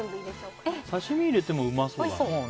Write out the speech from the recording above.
刺し身入れてもうまそうだな。